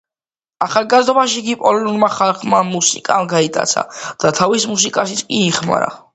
ახალგაზრდობაში იგი პოლონურმა ხალხურმა მუსიკამ გაიტაცა და თავის მუსიკაშიც კი იხმარა.